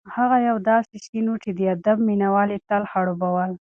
هغه یو داسې سیند و چې د ادب مینه وال یې تل خړوبول.